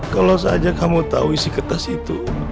kalau saatnya kamu tahu isi kertas itu